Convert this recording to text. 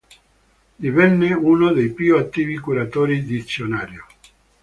Divenne uno dei più attivi curatori "Dizionario".